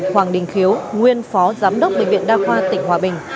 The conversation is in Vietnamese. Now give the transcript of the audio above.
hoàng đình khiếu nguyên phó giám đốc bệnh viện đa khoa tỉnh hòa bình